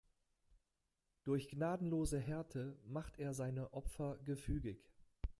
Durch gnadenlose Härte macht er seine Opfer gefügig.